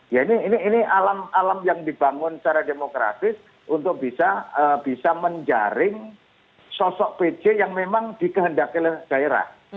ya ini ini alam alam yang dibangun secara demokrasi untuk bisa bisa menjaring sosok pj yang memang dikehendaki daerah